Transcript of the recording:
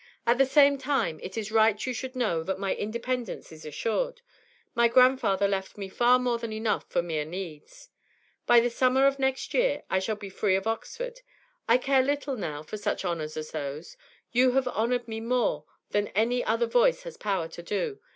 At the same time, it is right you should know that my independence is assured; my grandfather left me far more than enough for mere needs. By the summer of next year I shall be free of Oxford. I care little now for such honours as those; you have honoured me more than any other voice has power to do.